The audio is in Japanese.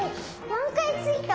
４かいついた！